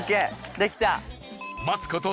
できた。